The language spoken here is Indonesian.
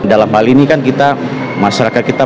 dalam hal ini kan kita masyarakat kita